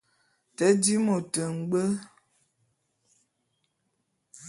Te di môt ngbwe.